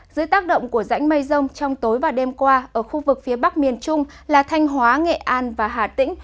dưới tác động của rãnh mây rông trong tối và đêm qua ở khu vực phía bắc miền trung là thanh hóa nghệ an và hà tĩnh